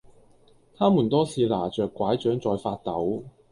她們多是拿著柺杖在發抖